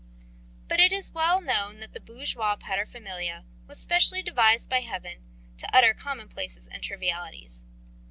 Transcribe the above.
But it is well known that the bourgeois paterfamilias was specially devised by Heaven to utter commonplaces and trivialities.